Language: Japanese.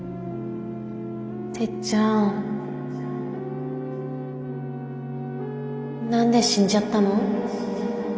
てっちゃん何で死んじゃったの？